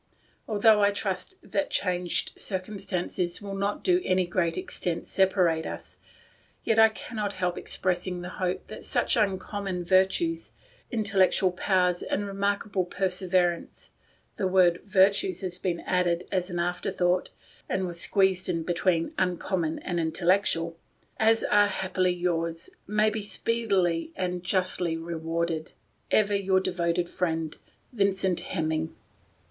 Although I trust that changed circumstances will not to any great extent separate us, yet I cannot help express ing the hope that such uncommon virtues, intellectual powers, and remarkable perse verance [the word " virtues " had been added as an afterthought, and was squeezed in between " uncommon " and " intellectual "] as are happily yours, may be speedily and justly rewarded. " Ever your devoted friend, " Vincent Hemming."